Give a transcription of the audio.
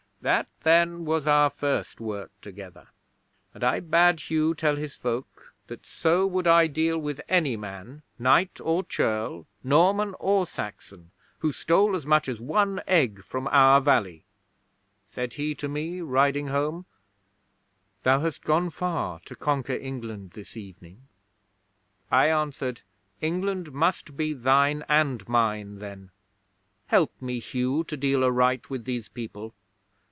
'That, then, was our first work together, and I bade Hugh tell his folk that so would I deal with any man, knight or churl, Norman or Saxon, who stole as much as one egg from our valley. Said he to me, riding home: "Thou hast gone far to conquer England this evening." I answered: "England must be thine and mine, then. Help me, Hugh, to deal aright with these people.